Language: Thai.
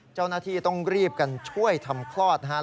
เจ้าหน้าที่ต้องรีบกันช่วยทำคลอดนะฮะ